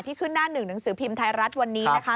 ขึ้นหน้าหนึ่งหนังสือพิมพ์ไทยรัฐวันนี้นะคะ